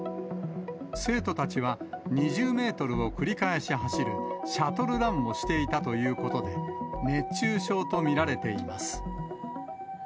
生徒たちは、２０メートルを繰り返し走るシャトルランをしていたということで、熱中症と見られています。